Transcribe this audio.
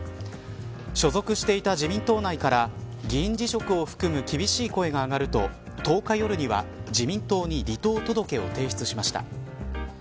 所属していた自民党内から議員辞職を含む厳しい声が上がる１０日夜には自民党に離党届を提出しました。